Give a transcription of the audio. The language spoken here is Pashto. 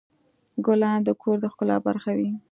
ګلان د کور د ښکلا برخه وي.